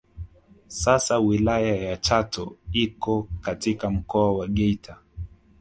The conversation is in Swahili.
Sasa wilaya ya Chato iko katika Mkoa wa Geita